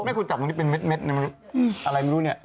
แม่คุณกลับตรงนี้เป็นเม็ดอะไรไม่รู้เนี่ย